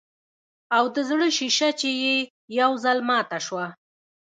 او د زړۀ شيشه چې ئې يو ځل ماته شوه